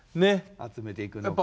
集めていくのか。